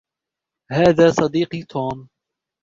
هذا صديقي توم.